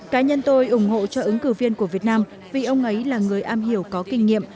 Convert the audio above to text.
cá nhân tôi ủng hộ cho ứng cử viên của việt nam vì ông ấy là người am hiểu có kinh nghiệm